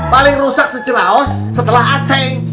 paling rusak seceraos setelah aceh